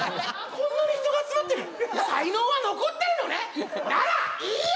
こんなに人が集まってる才能は残ってるのねならいいや！